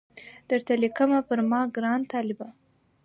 درته لیکمه پر ما ګران طالبه